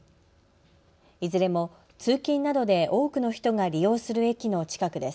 いずれも通勤などで多くの人が利用する駅の近くです。